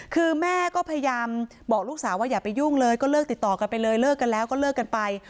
คือแม่ก็พยายามบอกลูกสาวว่าอย่าไปยุ่งเลยก็เลิกติดต่อกันไปเลยเลิกกันแล้วก็เลิกกันไป